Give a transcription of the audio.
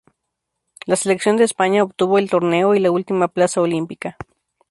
La selección de España obtuvo el torneo y la última plaza olímpica.